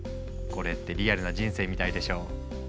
これってリアルな人生みたいでしょ？